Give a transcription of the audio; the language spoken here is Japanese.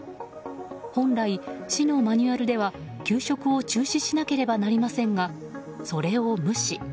本来、市のマニュアルでは給食を中止しなければなりませんがそれを無視。